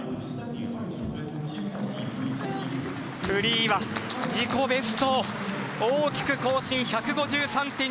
フリーは自己ベストを大きく更新、１５３．２９。